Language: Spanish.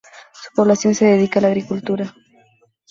Su población se dedica a la agricultura.